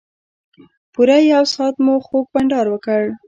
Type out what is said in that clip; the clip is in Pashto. پوره یو ساعت مو خوږ بنډار وکړ.